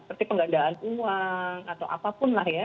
seperti penggandaan uang atau apapun lah ya